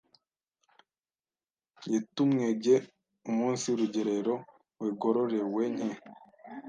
yetumwege umunsi rugerero wegororewe nke